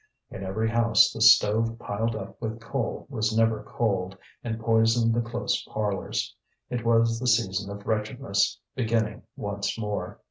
In every house the stove piled up with coal was never cold, and poisoned the close parlours. It was the season of wretchedness beginning once more.